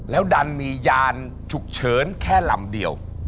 แล้วดันมียานฉุกเฉินแค่ลำเดียว